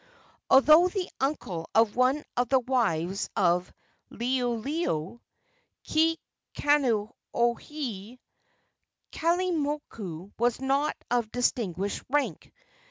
Although the uncle of one of the wives of Liholiho Kekauonohi Kalaimoku was not of distinguished rank.